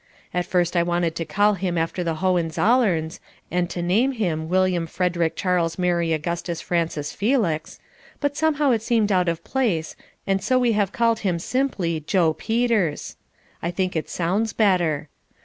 At first I wanted to call him after the Hohenzollerns and to name him William Frederick Charles Mary Augustus Francis Felix, but somehow it seemed out of place and so we have called him simply Joe Peters. I think it sounds better.